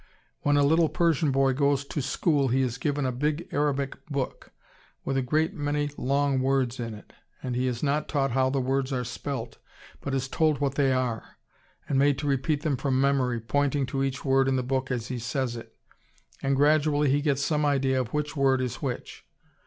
When a little Persian boy goes to school he is given a big Arabic book, with a great many long words in it, and he is not taught how the words are spelt, but is told what they are, and made to repeat them from memory, pointing to each word in the book as he says it, and gradually he gets some idea of which word is which....